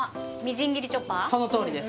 そのとおりです